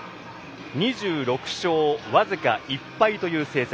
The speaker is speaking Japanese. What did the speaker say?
２６勝わずか１敗という成績。